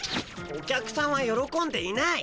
お客さんはよろこんでいない！